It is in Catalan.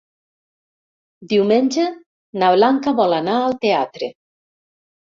Diumenge na Blanca vol anar al teatre.